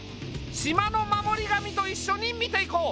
島の守り神と一緒に見ていこう。